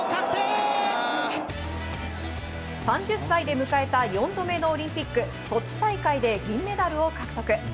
３０歳で迎えた４度目のオリンピック、ソチ大会で銀メダルを獲得。